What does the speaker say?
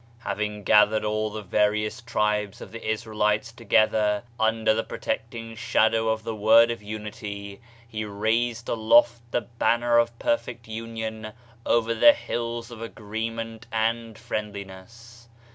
Having gathered all the various tribes of the Israelites together under the protecting shadow of the Word of Unity, he raised aloft the banner of perfect union over the hills of agreement and friendliness.